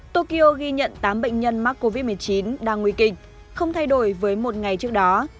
tokyo ghi nhận tám bệnh nhân mắc covid một mươi chín đang nguy kịch không thay đổi với một ngày trước đó